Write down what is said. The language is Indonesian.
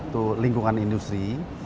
terima kasih counts lol